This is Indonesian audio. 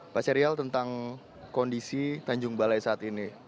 pak serial tentang kondisi tanjung balai saat ini